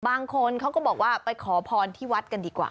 บางคนเขาก็บอกว่าไปขอพรที่วัดกันดีกว่า